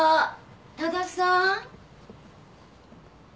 多田さん？